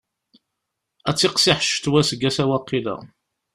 Ad tiqsiḥ ccetwa aseggas-a waqila.